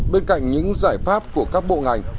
bên cạnh những giải pháp của các bộ ngành